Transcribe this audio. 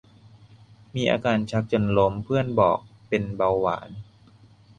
มีอาการชักจนล้มเพื่อนบอกเป็นเบาหวาน